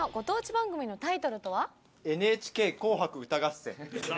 『ＮＨＫ紅白歌合戦』。